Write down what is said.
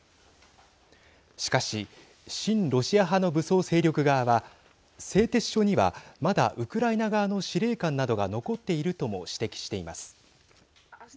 しかし親ロシア派の武装勢力側は製鉄所には、まだウクライナ側の司令官などが残っているとも指摘しています。